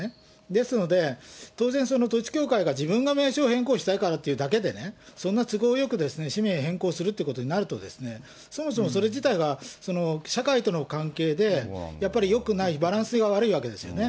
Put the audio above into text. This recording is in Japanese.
ですので、当然、統一教会が自分が名称を変更したいからっていうだけでね、そんな都合よく、氏名変更するってことになると、そもそもそれ自体が社会との関係で、やっぱりよくない、バランスが悪いわけですよね。